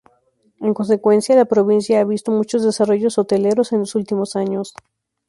En consecuencia, la provincia ha visto muchos desarrollos hoteleros en los últimos años.